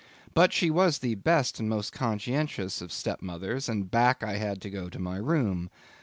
But she was the best and most conscientious of stepmothers, and back I had to go to my room.